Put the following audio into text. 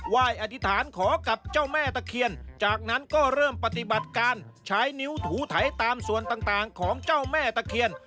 รอธิษฐานขอกับเจ้าแม่ตะเคียนจากนั้นก็เริ่มปฏิบัติการใช้นิ้วถูไถตามส่วนต่างของเจ้าแม่ตะเคียน